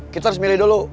kita harus milih dulu